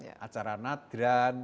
terus kemudian acara tingkepan atau nujubu